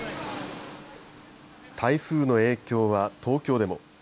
台風の影響は東京でも。